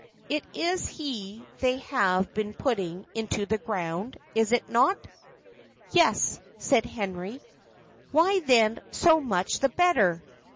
It is he they have been putting into the ground! is not it?" "Yes," said Henry. "Why, then, so much the better."